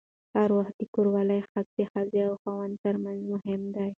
هر وخت د کوروالې حق د ښځې او خاوند ترمنځ مهم دی.